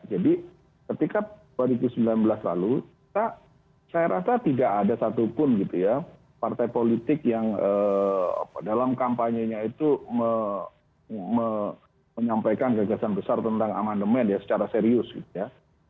jadi ketika dua ribu sembilan belas lalu saya rasa tidak ada satupun gitu ya partai politik yang dalam kampanyenya itu menyampaikan gagasan besar tentang amandemen ya secara serius gitu ya